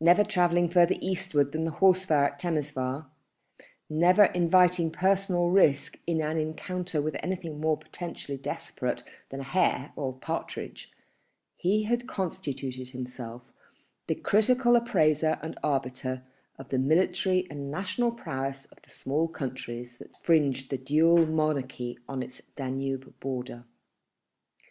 Never travelling further eastward than the horse fair at Temesvar, never inviting personal risk in an encounter with anything more potentially desperate than a hare or partridge, he had constituted himself the critical appraiser and arbiter of the military and national prowess of the small countries that fringed the Dual Monarchy on its Danube border.